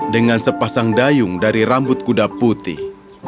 dengan sepasang dayung dari rambut kuda putih